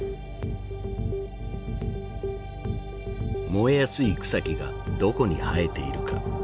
燃えやすい草木がどこに生えているか。